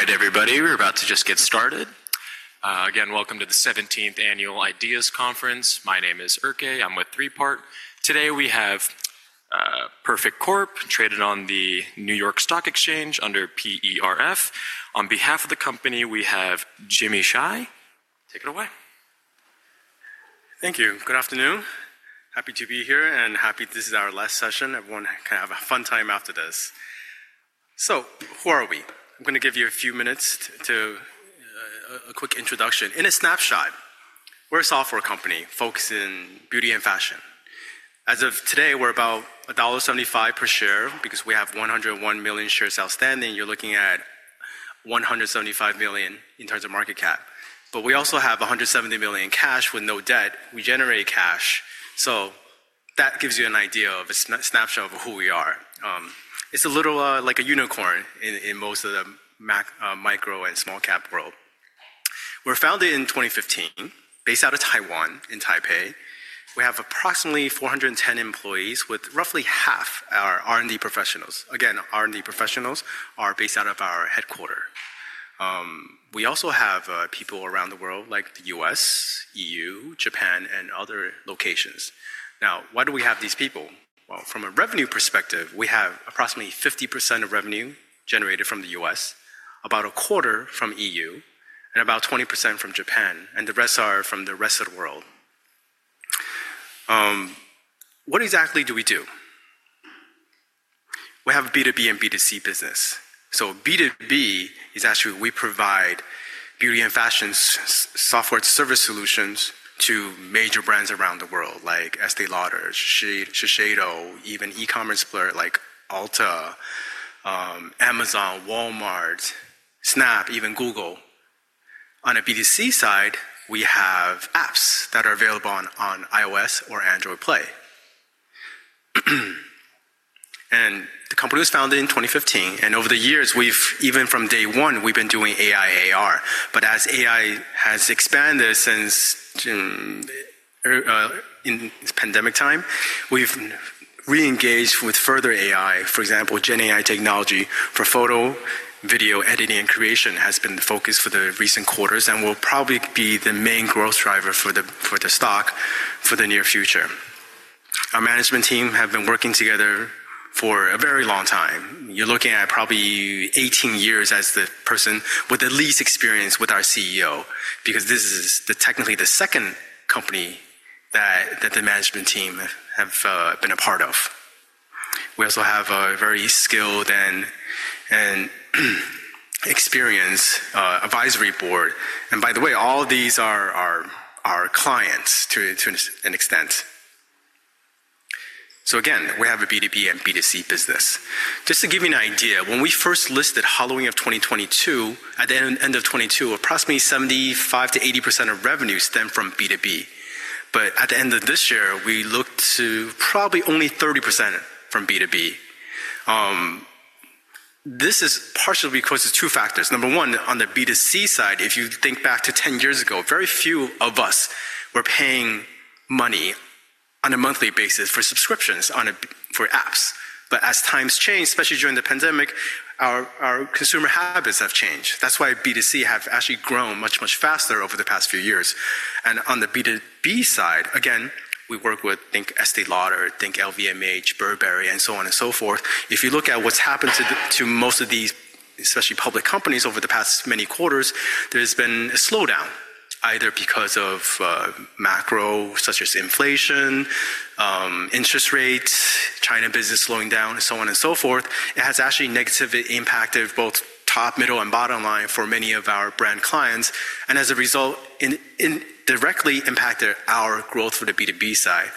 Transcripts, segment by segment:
All right, everybody, we're about to just get started. Again, welcome to the 17th Annual Ideas Conference. My name is Erke. I'm with 3Part. Today we have Perfect Corp, traded on the New York Stock Exchange under PERF. On behalf of the company, we have Jimmy Xia. Take it away. Thank you. Good afternoon. Happy to be here and happy this is our last session. Everyone can have a fun time after this. Who are we? I'm going to give you a few minutes to a quick introduction. In a snapshot, we're a software company focusing on beauty and fashion. As of today, we're about $1.75 per share because we have 101 million shares outstanding. You're looking at $175 million in terms of market cap. We also have $170 million in cash with no debt. We generate cash. That gives you an idea of a snapshot of who we are. It's a little like a unicorn in most of the micro and small cap world. We're founded in 2015, based out of Taiwan in Taipei. We have approximately 410 employees, with roughly half our R&D professionals. Again, R&D professionals are based out of our headquarters. We also have people around the world, like the U.S., EU, Japan, and other locations. Now, why do we have these people? From a revenue perspective, we have approximately 50% of revenue generated from the US, about a quarter from EU, and about 20% from Japan. The rest are from the rest of the world. What exactly do we do? We have a B2B and B2C business. B2B is actually we provide beauty and fashion software service solutions to major brands around the world, like Estée Lauder, Shiseido, even e-commerce like Ulta, Amazon, Walmart, Snap, even Google. On the B2C side, we have apps that are available on iOS or Android Play. The company was founded in 2015. Over the years, even from day one, we've been doing AI/AR. As AI has expanded since pandemic time, we've re-engaged with further AI. For example, GenAI technology for photo, video, editing, and creation has been the focus for the recent quarters and will probably be the main growth driver for the stock for the near future. Our management team has been working together for a very long time. You're looking at probably 18 years as the person with the least experience with our CEO because this is technically the second company that the management team have been a part of. We also have a very skilled and experienced advisory board. By the way, all these are our clients to an extent. Again, we have a B2B and B2C business. Just to give you an idea, when we first listed in the following of 2022, at the end of 2022, approximately 75%-80% of revenue stemmed from B2B. At the end of this year, we look to probably only 30% from B2B. This is partially because of two factors. Number one, on the B2C side, if you think back to 10 years ago, very few of us were paying money on a monthly basis for subscriptions for apps. As times changed, especially during the pandemic, our consumer habits have changed. That is why B2C have actually grown much, much faster over the past few years. On the B2B side, again, we work with, think Estée Lauder, think LVMH, Burberry, and so on and so forth. If you look at what has happened to most of these, especially public companies, over the past many quarters, there has been a slowdown, either because of macro such as inflation, interest rates, China business slowing down, and so on and so forth. It has actually negatively impacted both top, middle, and bottom line for many of our brand clients. As a result, it directly impacted our growth for the B2B side.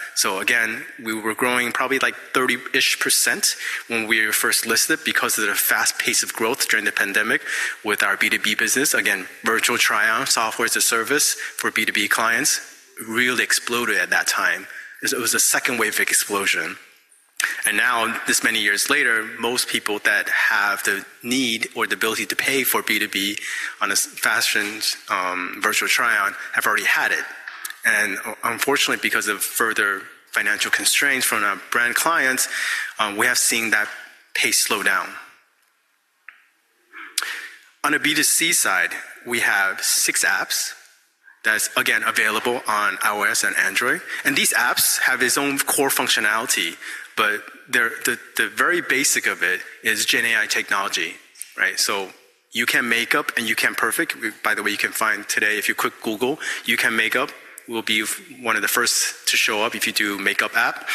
We were growing probably like 30% when we were first listed because of the fast pace of growth during the pandemic with our B2B business. Virtual Try-On Software as a Service for B2B clients really exploded at that time. It was a second wave of explosion. Now, this many years later, most people that have the need or the ability to pay for B2B on a fashion virtual try-on have already had it. Unfortunately, because of further financial constraints from our brand clients, we have seen that pace slow down. On the B2C side, we have six apps that's, again, available on iOS and Android. These apps have their own core functionality, but the very basic of it is GenAI technology. YouCam Makeup and YouCam Perfect, by the way, you can find today if you click Google, YouCam Makeup will be one of the first to show up if you do makeup app.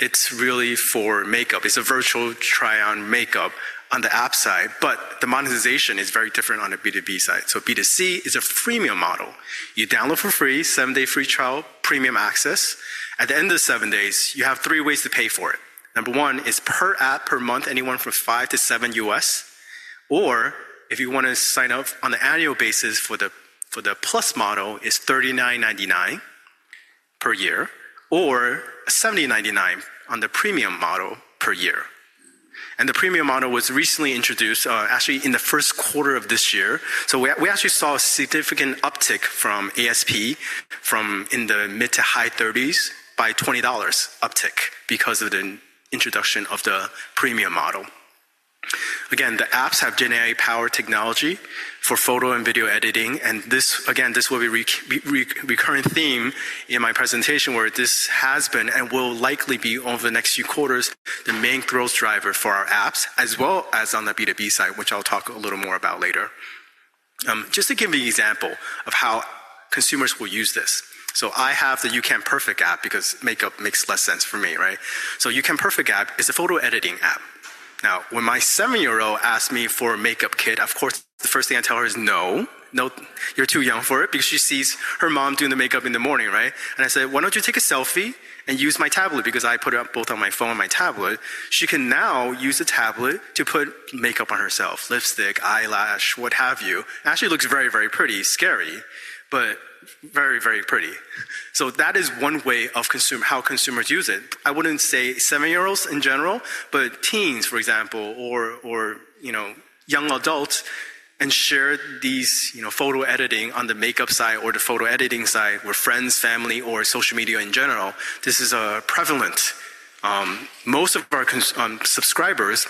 It is really for makeup. It is a virtual try-on makeup on the app side, but the monetization is very different on the B2B side. B2C is a freemium model. You download for free, seven-day free trial, premium access. At the end of seven days, you have three ways to pay for it. Number one is per app per month, anywhere from $5-$7. Or if you want to sign up on an annual basis for the Plus model, it is $39.99 per year, or $70.99 on the premium model per year. The premium model was recently introduced, actually in the first quarter of this year. We actually saw a significant uptick from ASP from in the mid to high 30s by $20 uptick because of the introduction of the premium model. The apps have generic power technology for photo and video editing. This will be a recurring theme in my presentation where this has been and will likely be over the next few quarters the main growth driver for our apps, as well as on the B2B side, which I'll talk a little more about later. Just to give you an example of how consumers will use this. I have the YouCam Perfect app because makeup makes less sense for me. YouCam Perfect app is a photo editing app. Now, when my seven-year-old asked me for a makeup kit, of course, the first thing I tell her is no. No, you're too young for it because she sees her mom doing the makeup in the morning. I said, why don't you take a selfie and use my tablet because I put it up both on my phone and my tablet. She can now use the tablet to put makeup on herself, lipstick, eyelash, what have you. Actually looks very, very pretty. Scary, but very, very pretty. That is one way of how consumers use it. I wouldn't say seven-year-olds in general, but teens, for example, or young adults and share these photo editing on the makeup side or the photo editing side with friends, family, or social media in general. This is prevalent. Most of our subscribers,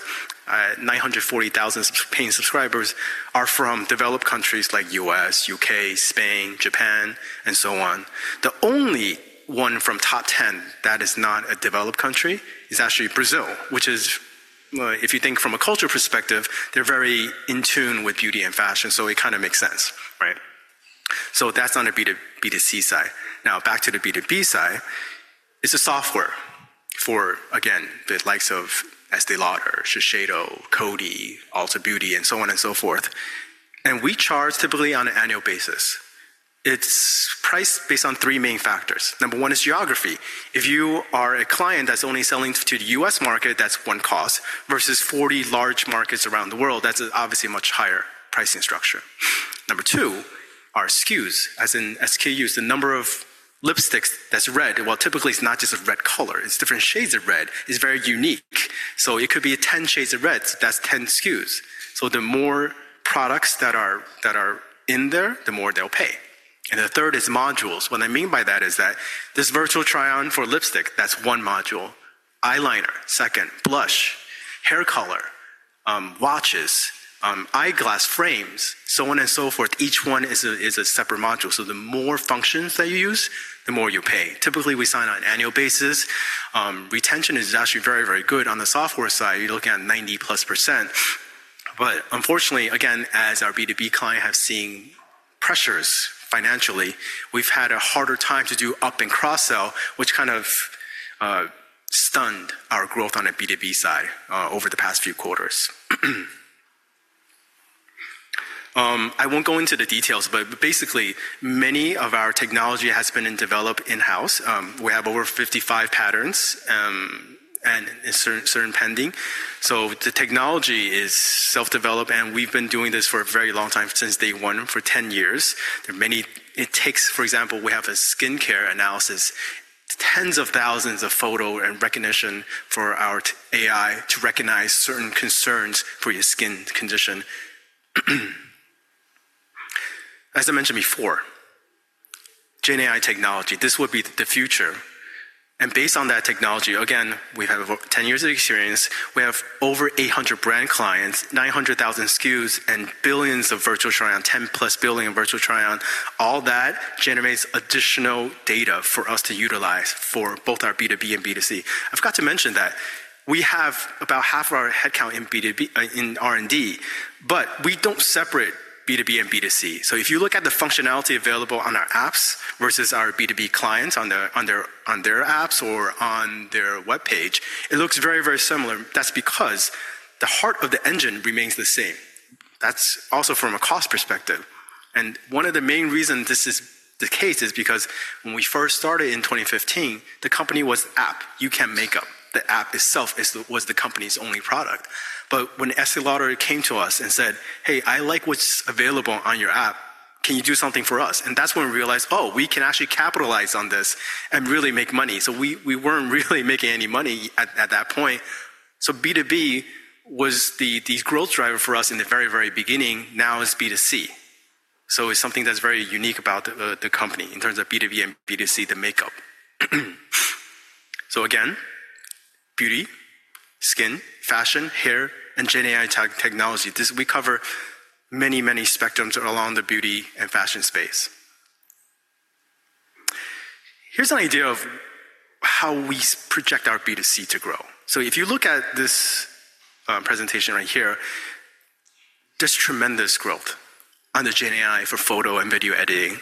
940,000 paying subscribers, are from developed countries like the U.S., U.K., Spain, Japan, and so on. The only one from top 10 that is not a developed country is actually Brazil, which is, if you think from a cultural perspective, they're very in tune with beauty and fashion. It kind of makes sense. That is on the B2C side. Now, back to the B2B side. It's a software for, again, the likes of Estée Lauder, Shiseido, Coty, Ulta Beauty, and so on and so forth. We charge typically on an annual basis. It's priced based on three main factors. Number one is geography. If you are a client that's only selling to the U.S. market, that's one cost versus 40 large markets around the world, that's obviously a much higher pricing structure. Number two are SKUs, as in SKUs, the number of lipsticks that's red. Typically, it's not just a red color. It's different shades of red. It's very unique. It could be 10 shades of red. That's 10 SKUs. The more products that are in there, the more they'll pay. The third is modules. What I mean by that is that this virtual try-on for lipstick, that's one module. Eyeliner, second, blush, hair color, watches, eyeglass frames, so on and so forth. Each one is a separate module. The more functions that you use, the more you pay. Typically, we sign on an annual basis. Retention is actually very, very good. On the software side, you're looking at 90+%. Unfortunately, again, as our B2B clients have seen pressures financially, we've had a harder time to do up and cross-sell, which kind of stunned our growth on the B2B side over the past few quarters. I won't go into the details, but basically, many of our technology has been developed in-house. We have over 55 patents and certain pending. The technology is self-developed, and we've been doing this for a very long time, since day one, for 10 years. It takes, for example, we have a skincare analysis, tens of thousands of photo and recognition for our AI to recognize certain concerns for your skin condition. As I mentioned before, GenAI technology, this would be the future. Based on that technology, again, we have 10 years of experience. We have over 800 brand clients, 900,000 SKUs, and billions of virtual try-ons, 10+ billion virtual try-ons. All that generates additional data for us to utilize for both our B2B and B2C. I forgot to mention that we have about half of our headcount in R&D, but we do not separate B2B and B2C. If you look at the functionality available on our apps versus our B2B clients on their apps or on their web page, it looks very, very similar. That is because the heart of the engine remains the same. That is also from a cost perspective. One of the main reasons this is the case is because when we first started in 2015, the company was app, YouCam Makeup. The app itself was the company's only product. When Estée Lauder came to us and said, "Hey, I like what is available on your app. Can you do something for us?" That is when we realized, "Oh, we can actually capitalize on this and really make money." We were not really making any money at that point. B2B was the growth driver for us in the very, very beginning. Now it is B2C. It is something that is very unique about the company in terms of B2B and B2C, the makeup. Again, beauty, skin, fashion, hair, and GenAI technology. We cover many, many spectrums around the beauty and fashion space. Here is an idea of how we project our B2C to grow. If you look at this presentation right here, there is tremendous growth on the GenAI for photo and video editing.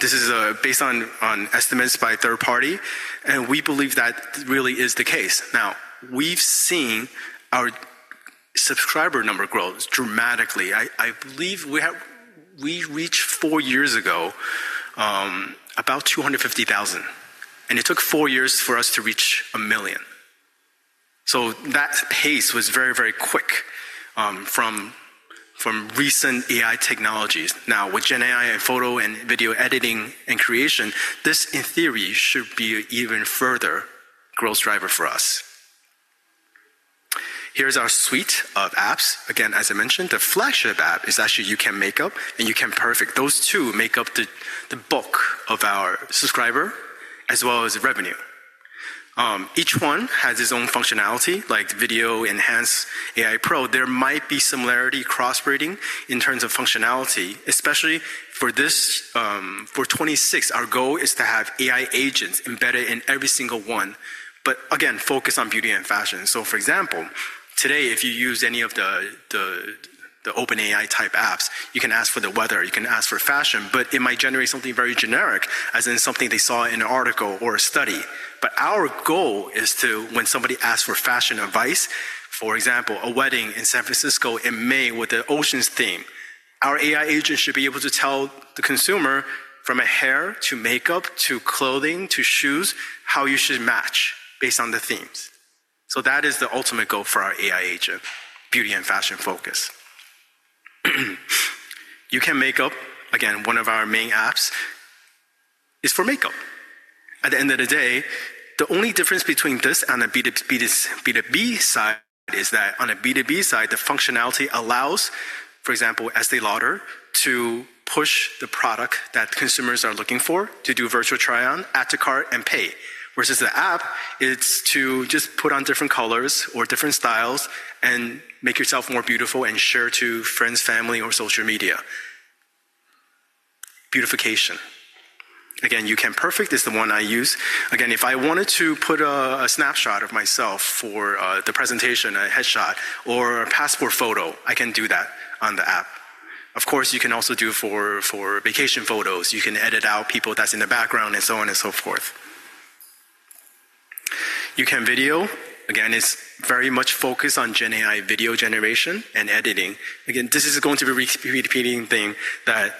This is based on estimates by third party, and we believe that really is the case. We have seen our subscriber number grow dramatically. I believe we reached four years ago about 250,000, and it took four years for us to reach a million. That pace was very, very quick from recent AI technologies. Now, with GenAI and photo and video editing and creation, this, in theory, should be an even further growth driver for us. Here is our suite of apps. Again, as I mentioned, the flagship app is actually YouCam Makeup and YouCam Perfect. Those two make up the bulk of our subscriber as well as revenue. Each one has its own functionality, like Video Enhance AI Pro. There might be similarity cross-breeding in terms of functionality, especially for this. For 2026, our goal is to have AI agents embedded in every single one, but again, focus on beauty and fashion. For example, today, if you use any of the OpenAI type apps, you can ask for the weather, you can ask for fashion, but it might generate something very generic, as in something they saw in an article or a study. Our goal is to, when somebody asks for fashion advice, for example, a wedding in San Francisco in May with the ocean's theme, our AI agent should be able to tell the consumer from hair to makeup to clothing to shoes how you should match based on the themes. That is the ultimate goal for our AI agent, beauty and fashion focus. YouCam Makeup, again, one of our main apps, is for makeup. At the end of the day, the only difference between this and the B2B side is that on the B2B side, the functionality allows, for example, Estée Lauder to push the product that consumers are looking for to do virtual try-on, add to cart, and pay. Versus the app, it's to just put on different colors or different styles and make yourself more beautiful and share to friends, family, or social media. Beautification. Again, YouCam Perfect is the one I use. Again, if I wanted to put a snapshot of myself for the presentation, a headshot or a passport photo, I can do that on the app. Of course, you can also do for vacation photos. You can edit out people that's in the background and so on and so forth. YouCam Video, again, is very much focused on GenAI video generation and editing. Again, this is going to be a repeating thing that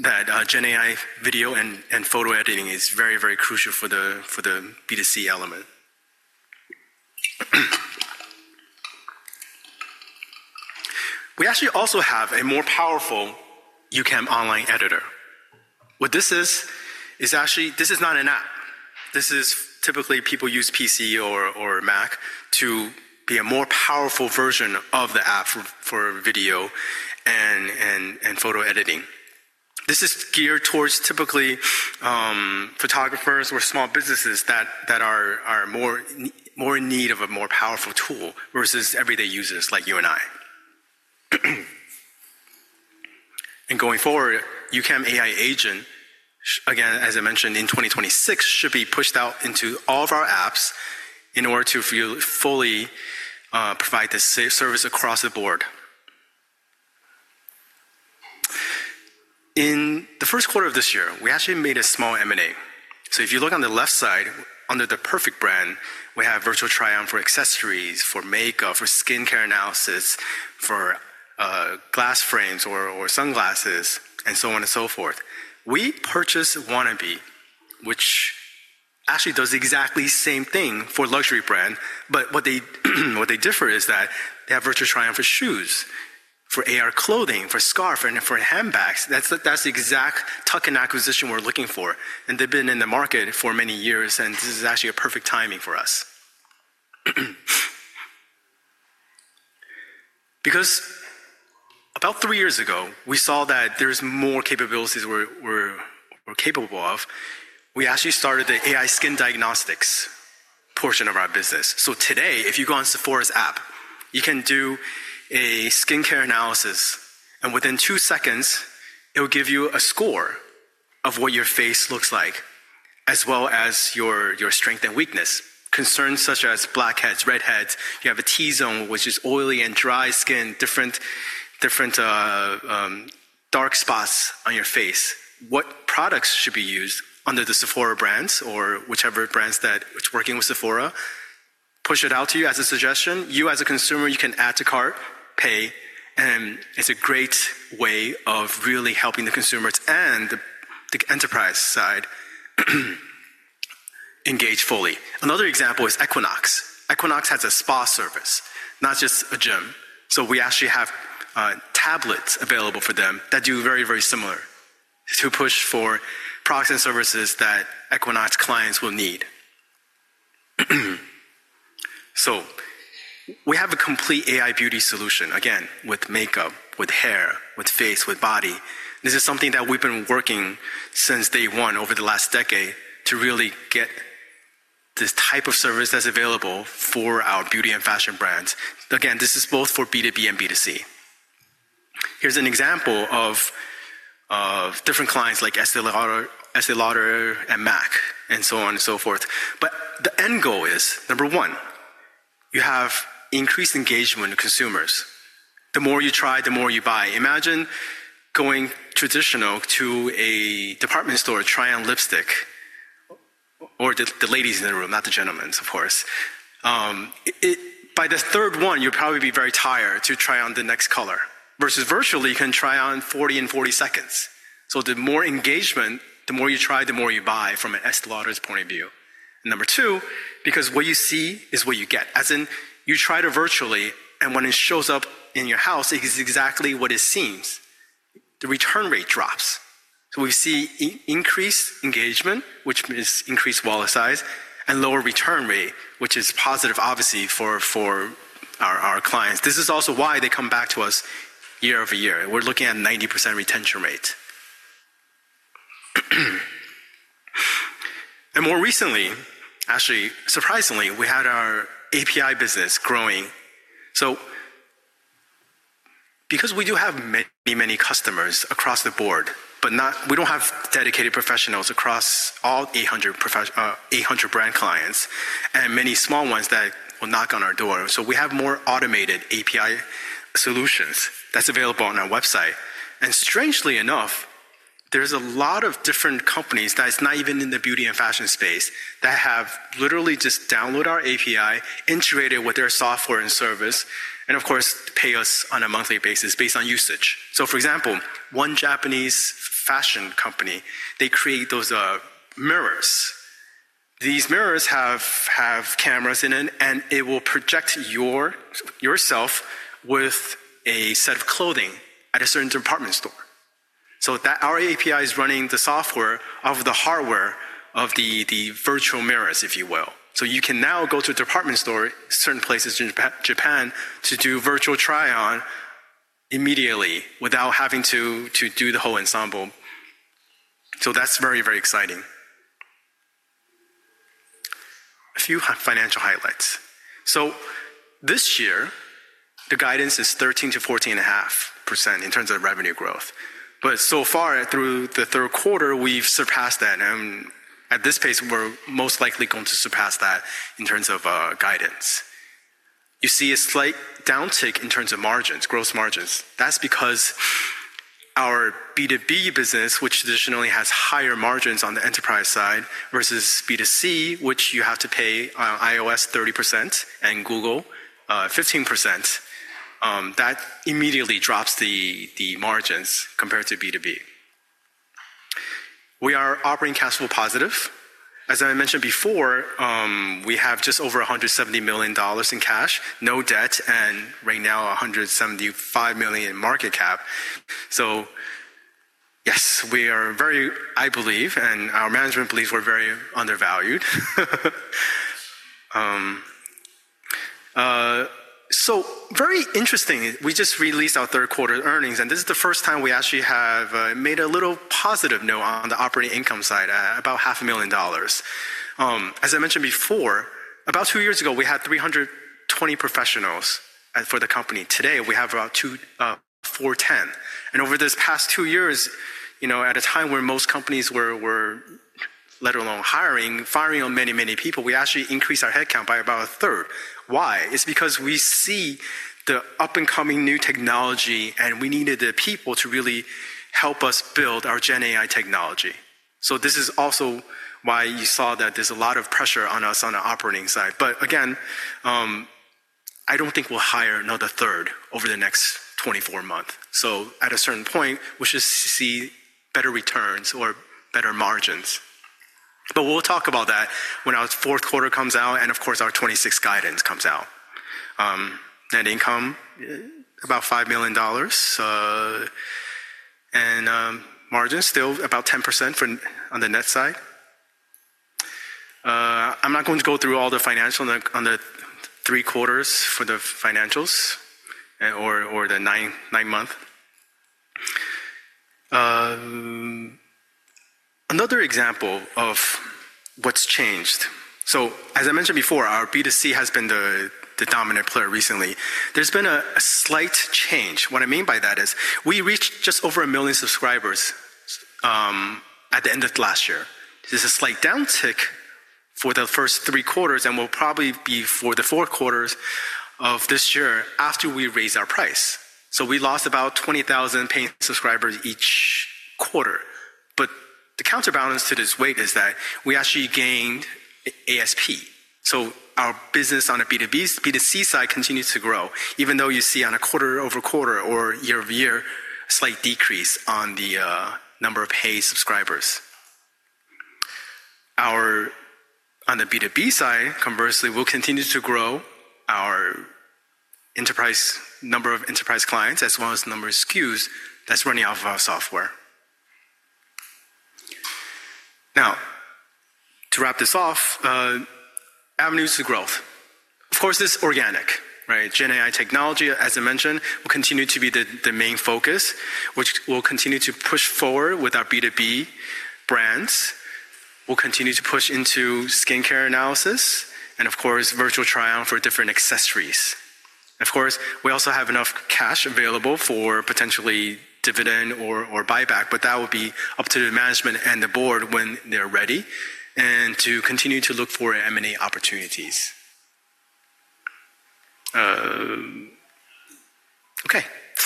GenAI video and photo editing is very, very crucial for the B2C element. We actually also have a more powerful YouCam Online Editor. What this is, is actually this is not an app. This is typically people use PC or Mac to be a more powerful version of the app for video and photo editing. This is geared towards typically photographers or small businesses that are more in need of a more powerful tool versus everyday users like you and I. Going forward, YouCam AI Agent, again, as I mentioned in 2026, should be pushed out into all of our apps in order to fully provide the service across the board. In the first quarter of this year, we actually made a small M&A. If you look on the left side, under the Perfect brand, we have virtual try-on for accessories, for makeup, for skincare analysis, for glass frames or sunglasses, and so on and so forth. We purchased Wannabe, which actually does the exact same thing for luxury brands. What they differ is that they have virtual try-on for shoes, for AR clothing, for scarf, and for handbags. That's the exact token acquisition we're looking for. They've been in the market for many years, and this is actually a perfect timing for us. Because about three years ago, we saw that there's more capabilities we're capable of. We actually started the AI skin diagnostics portion of our business. Today, if you go on Sephora's app, you can do a skincare analysis, and within two seconds, it'll give you a score of what your face looks like, as well as your strength and weakness. Concerns such as blackheads, redheads, you have a T-zone, which is oily and dry skin, different dark spots on your face. What products should be used under the Sephora brands or whichever brands that are working with Sephora? Push it out to you as a suggestion. You, as a consumer, you can add to cart, pay, and it's a great way of really helping the consumers and the enterprise side engage fully. Another example is Equinox. Equinox has a spa service, not just a gym. We actually have tablets available for them that do very, very similar to push for products and services that Equinox clients will need. We have a complete AI beauty solution, again, with makeup, with hair, with face, with body. This is something that we've been working since day one over the last decade to really get this type of service that's available for our beauty and fashion brands. Again, this is both for B2B and B2C. Here's an example of different clients like Estée Lauder and MAC, and so on and so forth. The end goal is, number one, you have increased engagement with consumers. The more you try, the more you buy. Imagine going traditional to a department store to try on lipstick or the ladies in the room, not the gentlemen, of course. By the third one, you'll probably be very tired to try on the next color versus virtually, you can try on 40 in 40 seconds. The more engagement, the more you try, the more you buy from Estée Lauder's point of view. Number two, because what you see is what you get, as in you try it virtually, and when it shows up in your house, it is exactly what it seems. The return rate drops. We see increased engagement, which means increased wallet size, and lower return rate, which is positive, obviously, for our clients. This is also why they come back to us year over year. We're looking at a 90% retention rate. More recently, actually, surprisingly, we had our API business growing. We do have many, many customers across the board, but we do not have dedicated professionals across all 800 brand clients and many small ones that will knock on our door. We have more automated API solutions that are available on our website. Strangely enough, there are a lot of different companies that are not even in the beauty and fashion space that have literally just downloaded our API, integrated with their software and service, and of course, pay us on a monthly basis based on usage. For example, one Japanese fashion company creates those mirrors. These mirrors have cameras in them, and they will project yourself with a set of clothing at a certain department store. Our API is running the software of the hardware of the virtual mirrors, if you will. You can now go to a department store, certain places in Japan, to do virtual try-on immediately without having to do the whole ensemble. That is very, very exciting. A few financial highlights. This year, the guidance is 13%-14.5% in terms of revenue growth. So far, through the third quarter, we have surpassed that. At this pace, we're most likely going to surpass that in terms of guidance. You see a slight downtick in terms of margins, gross margins. That's because our B2B business, which traditionally has higher margins on the enterprise side versus B2C, which you have to pay iOS 30% and Google 15%, that immediately drops the margins compared to B2B. We are operating cash flow positive. As I mentioned before, we have just over $170 million in cash, no debt, and right now, $175 million in market cap. Yes, I believe, and our management believes, we're very undervalued. Very interesting, we just released our third quarter earnings, and this is the first time we actually have made a little positive note on the operating income side, about $500,000. As I mentioned before, about two years ago, we had 320 professionals for the company. Today, we have about 410. Over this past two years, at a time where most companies were, let alone hiring, firing on many, many people, we actually increased our headcount by about a third. Why? It's because we see the up-and-coming new technology, and we needed the people to really help us build our GenAI technology. This is also why you saw that there's a lot of pressure on us on the operating side. Again, I don't think we'll hire another third over the next 24 months. At a certain point, we should see better returns or better margins. We'll talk about that when our fourth quarter comes out and, of course, our 2026 guidance comes out. Net income, about $5 million. Margins are still about 10% on the net side. I'm not going to go through all the financials on the three quarters for the financials or the nine-month. Another example of what's changed. As I mentioned before, our B2C has been the dominant player recently. There's been a slight change. What I mean by that is we reached just over a million subscribers at the end of last year. This is a slight downtick for the first three quarters, and will probably be for the fourth quarter of this year after we raise our price. We lost about 20,000 paying subscribers each quarter. The counterbalance to this weight is that we actually gained ASP. Our business on the B2C side continues to grow, even though you see on a quarter over quarter or year over year, a slight decrease on the number of paid subscribers. On the B2B side, conversely, we'll continue to grow our number of enterprise clients as well as the number of SKUs that's running off of our software. Now, to wrap this off, avenues to growth. Of course, it's organic, right? GenAI technology, as I mentioned, will continue to be the main focus, which will continue to push forward with our B2B brands. We'll continue to push into skincare analysis and, of course, virtual try-on for different accessories. Of course, we also have enough cash available for potentially dividend or buyback, but that will be up to the management and the board when they're ready and to continue to look for M&A opportunities. Okay,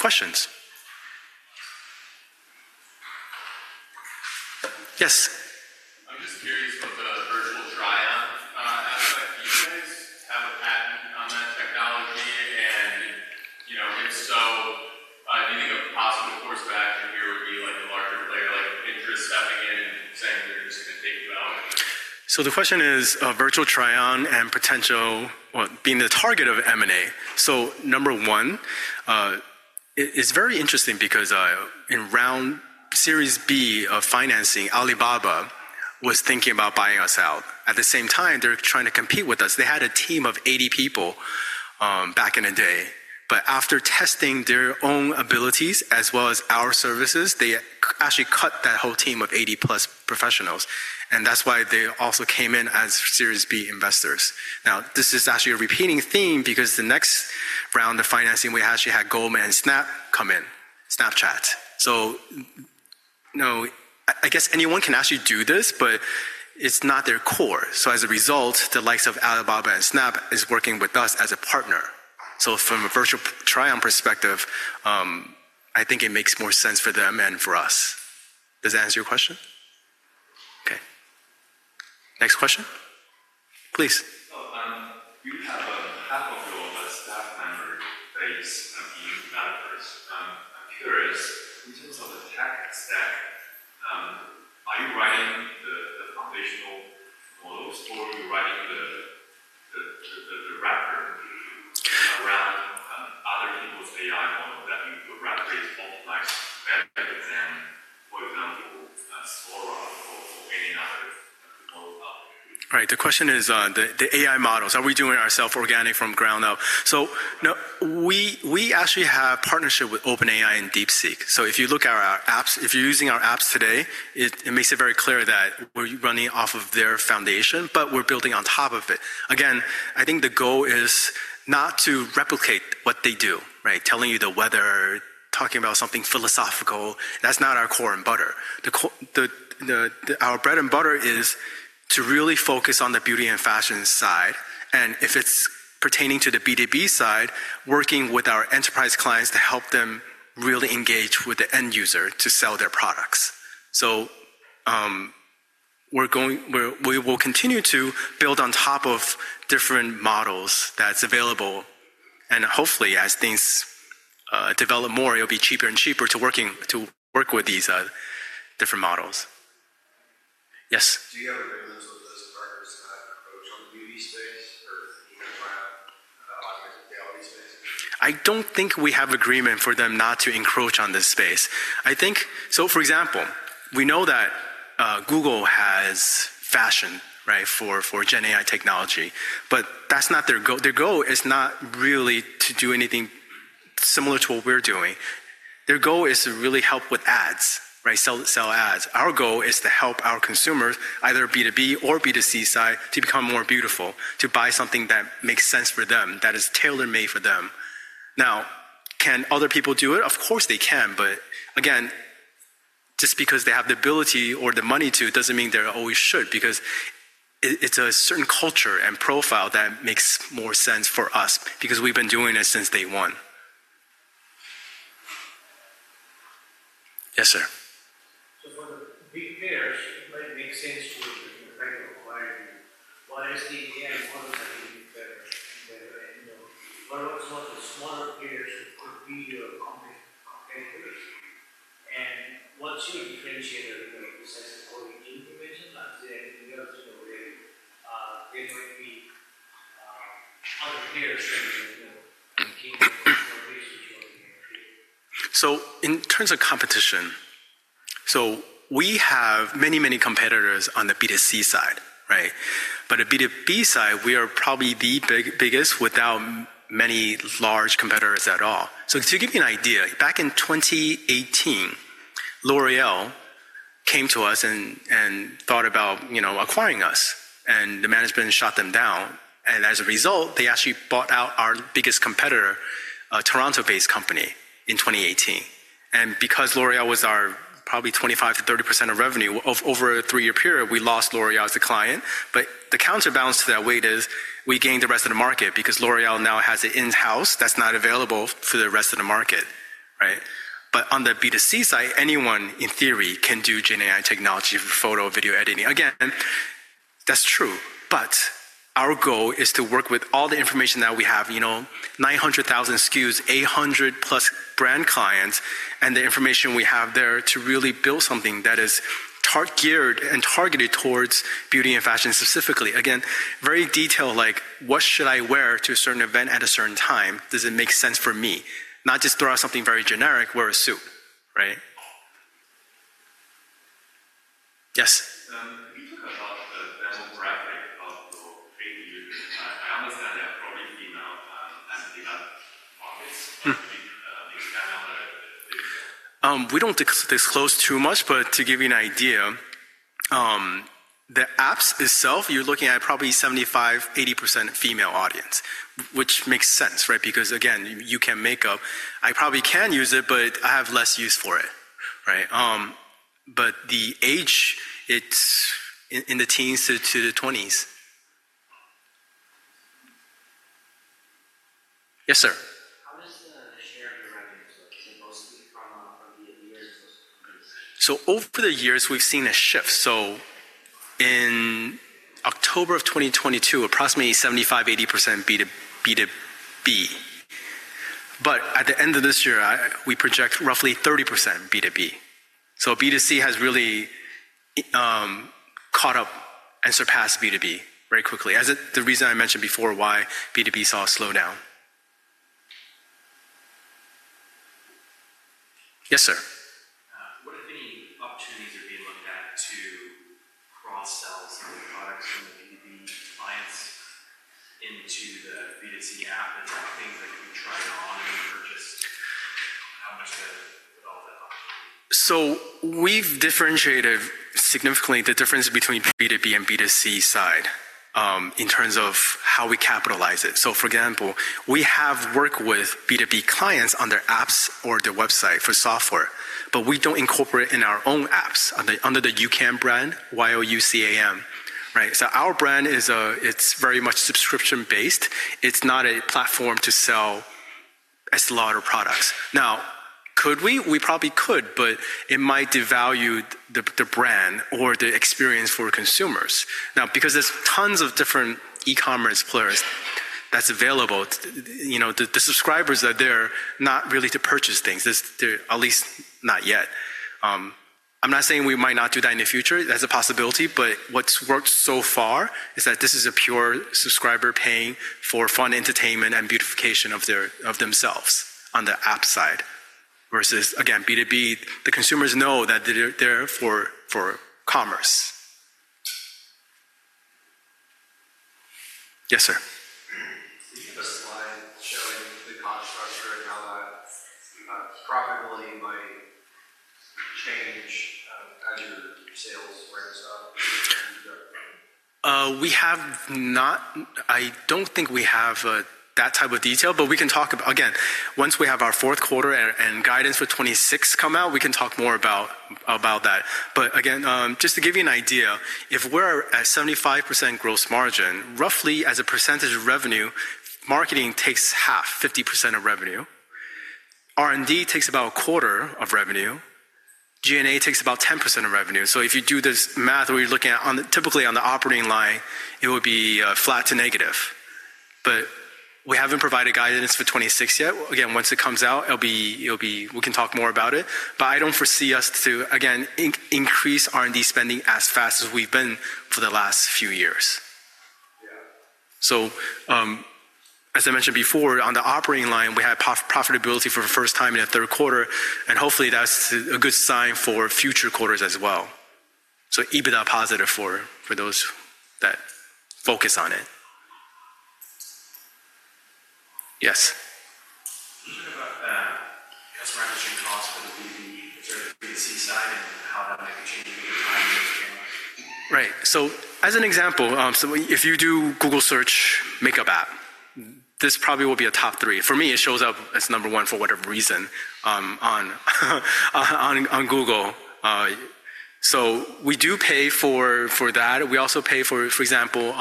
questions? Yes. I'm just curious about the virtual try-on aspect. Do you guys have a patent on that technology? If so, do you think a possible course of action here would be a larger player like Pinterest stepping in and saying they're just going to take you out? The question is virtual try-on and potential being the target of M&A. Number one, it's very interesting because in Series B of financing, Alibaba was thinking about buying us out. At the same time, they're trying to compete with us. They had a team of 80 people back in the day. After testing their own abilities as well as our services, they actually cut that whole team of 80+ professionals. That's why they also came in as Series B investors. This is actually a repeating theme because the next round of financing, we actually had Goldman and Snap come in, Snapchat. I guess anyone can actually do this, but it's not their core. As a result, the likes of Alibaba and Snap are working with us as a partner. From a virtual try-on perspective, I think it makes more sense for them and for us. Does that answer your question? Okay. Next question, please. You have half of your staff member base being developers. I'm curious, in terms of the tech stack, are you writing the foundational models or are you writing the wrapper around other people's AI models that you would rather optimize better than, for example, Sephora or any other model out there? Right. The question is the AI models. Are we doing ourselves organic from ground up? We actually have partnership with OpenAI and DeepSeek. If you look at our apps, if you're using our apps today, it makes it very clear that we're running off of their foundation, but we're building on top of it. Again, I think the goal is not to replicate what they do, right? Telling you the weather, talking about something philosophical. That is not our bread and butter. Our bread and butter is to really focus on the beauty and fashion side. If it is pertaining to the B2B side, working with our enterprise clients to help them really engage with the end user to sell their products. We will continue to build on top of different models that are available. Hopefully, as things develop more, it will be cheaper and cheaper to work with these different models. Yes. Do you have agreement with those partners to have an approach on the beauty space or the audience reality space? I do not think we have agreement for them not to encroach on this space. For example, we know that Google has fashion for GenAI technology, but their goal is not really to do anything similar to what we're doing. Their goal is to really help with ads, sell ads. Our goal is to help our consumers, either B2B or B2C side, to become more beautiful, to buy something that makes sense for them, that is tailor-made for them. Now, can other people do it? Of course, they can. Again, just because they have the ability or the money to does not mean they always should because it is a certain culture and profile that makes more sense for us because we've been doing it since day one. Yes, sir. For the big players, it might make sense to kind of acquire you. Why is DBM always having to be better? What about some of the smaller players who could be your competitors? What's your differentiator besides the quality you mentioned? I'm seeing in Europe where there might be other players that are capable of basically what you have here. In terms of competition, we have many, many competitors on the B2C side, right? On the B2B side, we are probably the biggest without many large competitors at all. To give you an idea, back in 2018, L'Oreal came to us and thought about acquiring us. The management shot them down. As a result, they actually bought out our biggest competitor, a Toronto-based company, in 2018. Because L'Oreal was probably 25%-30% of revenue over a three-year period, we lost L'Oreal as the client. The counterbalance to that weight is we gained the rest of the market because L'Oreal now has an in-house that's not available for the rest of the market, right? On the B2C side, anyone, in theory, can do GenAI technology for photo, video editing. Again, that's true. Our goal is to work with all the information that we have, 900,000 SKUs, 800+ brand clients, and the information we have there to really build something that is targeted towards beauty and fashion specifically. Again, very detailed like, what should I wear to a certain event at a certain time? Does it make sense for me? Not just throw out something very generic, wear a suit, right? Yes. Can you talk about the demographic of your paid users? I understand they're probably female and they're not modest? We don't disclose too much, but to give you an idea, the apps itself, you're looking at probably 75-80% female audience, which makes sense, right? Because again, YouCam Makeup, I probably can use it, but I have less use for it, right? But the age, it's in the teens to the 20s. Yes, sir. How does the share of your revenues look? Is it mostly from the years or mostly from the years? Over the years, we've seen a shift. In October of 2022, approximately 75-80% B2B. At the end of this year, we project roughly 30% B2B. B2C has really caught up and surpassed B2B very quickly, as the reason I mentioned before why B2B saw a slowdown. Yes, sir. What, if any, opportunities are being looked at to cross-sell some of the products from the B2B clients into the B2C app? Is that things that can be tried on and purchased? How much of that opportunity? We have differentiated significantly the difference between B2B and B2C side in terms of how we capitalize it. For example, we have worked with B2B clients on their apps or their website for software, but we do not incorporate in our own apps under the YouCam brand, Y-O-U-C-A-M, right? Our brand is very much subscription-based. It is not a platform to sell a lot of products. Now, could we? We probably could, but it might devalue the brand or the experience for consumers. Now, because there are tons of different e-commerce players that are available, the subscribers are there not really to purchase things, at least not yet. I am not saying we might not do that in the future. That is a possibility. What has worked so far is that this is a pure subscriber paying for fun entertainment and beautification of themselves on the app side versus, again, B2B. The consumers know that they're for commerce. Yes, sir. Do you have a slide showing the cost structure and how that probably might change as your sales ramps up? We have not. I don't think we have that type of detail, but we can talk about, again, once we have our fourth quarter and guidance for 2026 come out, we can talk more about that. Again, just to give you an idea, if we're at 75% gross margin, roughly as a percentage of revenue, marketing takes half, 50% of revenue. R&D takes about a quarter of revenue. G&A takes about 10% of revenue. If you do this math, what you're looking at, typically on the operating line, it would be flat to negative. We haven't provided guidance for 2026 yet. Again, once it comes out, we can talk more about it. I do not foresee us to, again, increase R&D spending as fast as we've been for the last few years. As I mentioned before, on the operating line, we had profitability for the first time in the third quarter. Hopefully, that's a good sign for future quarters as well. EBITDA positive for those that focus on it. Yes. What about customer acquisition costs for the B2B, the B2C side, and how that might be changing over time? Right. As an example, if you do Google search, makeup app, this probably will be a top three. For me, it shows up as number one for whatever reason on Google. We do pay for that. We also pay for, for example,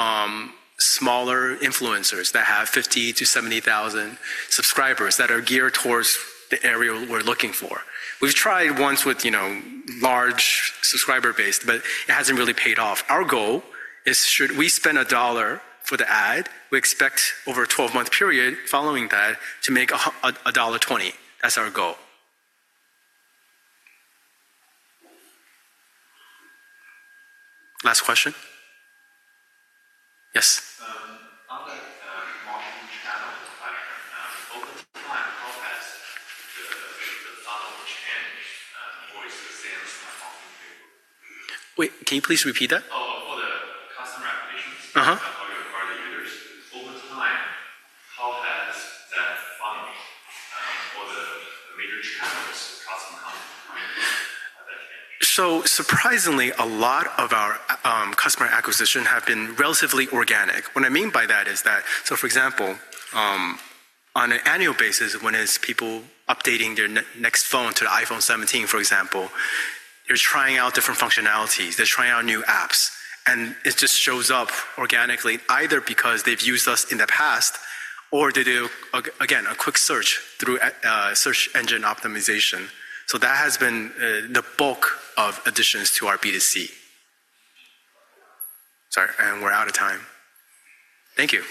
smaller influencers that have 50,000-70,000 subscribers that are geared towards the area we're looking for. We've tried once with large subscriber base, but it hasn't really paid off. Our goal is should we spend a dollar for the ad, we expect over a 12-month period following that to make a $1.20. That's our goal. Last question. Yes. How did marketing channels affect them? Over time, how has the funnel changed for sales and marketing? Wait, can you please repeat that? For the customer acquisitions, how do you acquire the users? Over time, how has that funnel for the major channels of customer content changed? Surprisingly, a lot of our customer acquisition has been relatively organic. What I mean by that is that, for example, on an annual basis, when people are updating their next phone to the iPhone 17, for example, they're trying out different functionalities. They're trying out new apps. It just shows up organically, either because they've used us in the past or they do, again, a quick search through search engine optimization. That has been the bulk of additions to our B2C. Sorry, and we're out of time. Thank you.